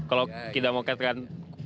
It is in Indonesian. kalau tidak mau katakan